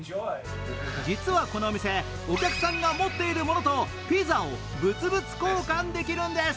実はこのお店、お客さんが持っているものとピザを物々交換できるんです。